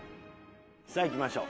さあいきましょう。